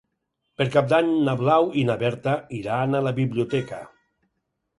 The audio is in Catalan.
Per Cap d'Any na Blau i na Berta iran a la biblioteca.